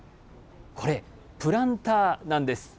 これ、プランターなんです。